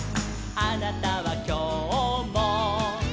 「あなたはきょうも」